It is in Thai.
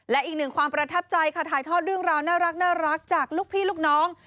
และอีกหนึ่งความประทับใจค่ะถ่ายทอดเรื่องราวน่ารักจากลูกพี่ลูกน้อง